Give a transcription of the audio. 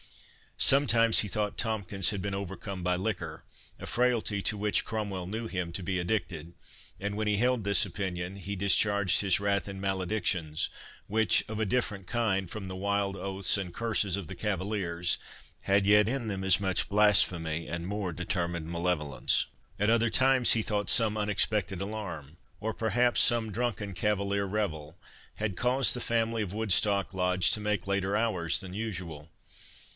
Some times he thought Tomkins had been overcome by liquor, a frailty to which Cromwell knew him to be addicted; and when he held this opinion he discharged his wrath in maledictions, which, of a different kind from the wild oaths and curses of the cavaliers, had yet in them as much blasphemy, and more determined malevolence. At other times he thought some unexpected alarm, or perhaps some drunken cavalier revel, had caused the family of Woodstock Lodge to make later hours than usual.